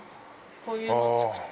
こういうの作って。